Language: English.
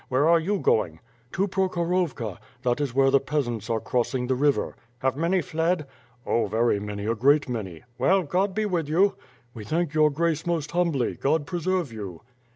Where are you going?" "To Prokhorovka. That is where the peasants are cross ing the river." "Have many fled?" "Oh, very many, a great many." "Well, God be with you!" "We thank your Grace most humbly. God preserve you!"